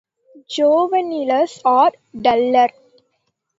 Juveniles are duller.